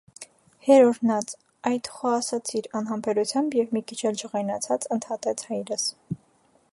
- Հեր օրհնած, այդ խո ասացիր,- անհամբերությամբ և մի քիչ էլ ջղայնացած ընդհատեց հայրս: